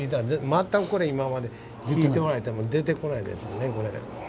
全くこれ今までひいておられても出てこないですよね。